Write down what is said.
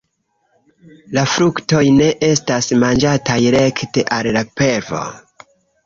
La fruktoj ne estas manĝataj rekte el la pelvo.